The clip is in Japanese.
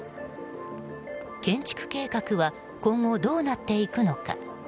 建築計画は今後どうなっていくのか。